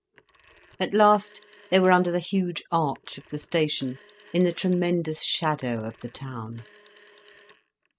At last they were under the huge arch of the station, in the tremendous shadow of the town.